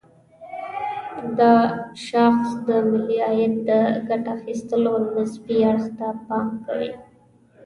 دا شاخص د ملي عاید د ګټه اخيستلو نسبي اړخ ته پام کوي.